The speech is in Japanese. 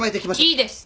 いいです。